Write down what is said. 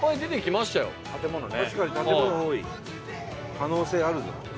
可能性あるぞ。